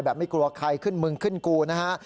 ไม่กลัวใครขึ้นมึงขึ้นกูนะฮะ